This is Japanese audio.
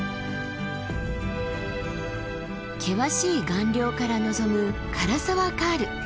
険しい岩稜から望む涸沢カール。